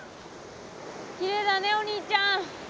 きれいだねお兄ちゃん。